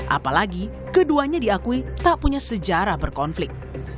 apalagi keduanya diakui tak punya sejarah berkonflik